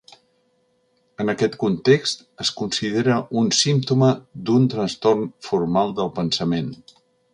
En aquest context, es considera un símptoma d'un trastorn formal del pensament.